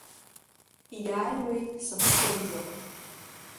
Иааҩуеит са сҿынӡа…